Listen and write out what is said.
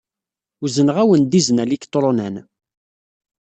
Uzneɣ-awen-d izen aliktṛunan.